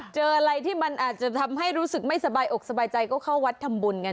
เจออะไรที่มันอาจจะทำให้รู้สึกไม่สบายอกสบายใจก็เข้าวัดทำบุญกัน